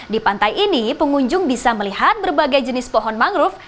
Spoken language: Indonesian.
di pantai ini pengunjung bisa melihat berbagai jenis pohon mangrove